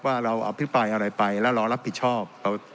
ว่าเราอภิปรายอะไรไปแล้วเรารับผิดชอบ